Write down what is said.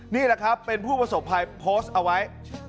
นี่แหละครับเป็นผู้ประสบภัยโพสต์เอาไว้